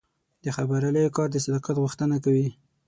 د خبریالۍ کار د صداقت غوښتنه کوي.